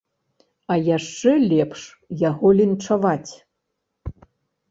А яшчэ лепш яго лінчаваць.